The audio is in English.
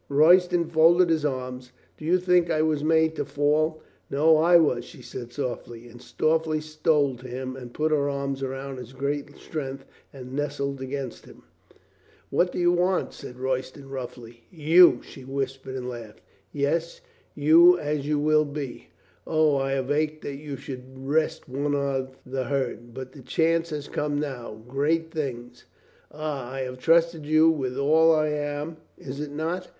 Royston folded his arms. "Do you think I was made to fall?" "No, I was," she said softly, and softly stole to him and put her arms about his great strength and nestled against him. 336 COLONEL GREATHEART "What do you want?" said Royston roughly. "You !" she whispered and laughed. "Yes, you as you will be! O, I have ached that you should rest one of the herd. But the chance has come now. Great things ! Ah, I have trusted you with all I am. Is it not?"